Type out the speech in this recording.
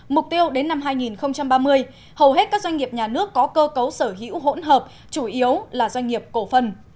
mục tiêu đến năm hai nghìn ba mươi hầu hết các doanh nghiệp nhà nước có cơ cấu sở hữu hỗn hợp chủ yếu là doanh nghiệp cổ phần